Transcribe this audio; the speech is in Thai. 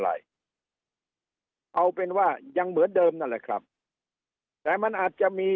อะไรเอาเป็นว่ายังเหมือนเดิมนั่นแหละครับแต่มันอาจจะมี